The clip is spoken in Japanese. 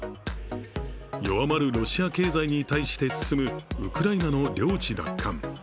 弱まるロシア経済に対して進むウクライナの領地奪還。